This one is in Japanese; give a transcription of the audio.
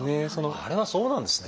あれはそうなんですね。